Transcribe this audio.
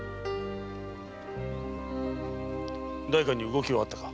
代官に動きはあったか？